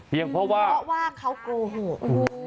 เพราะว่าเพราะว่าเขาโกหก